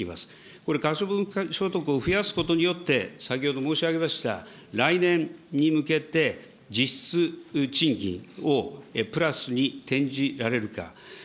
これ、可処分所得を増やすことによって、先ほど申し上げました、来年に向けて実質賃金をプラスに転じられるか。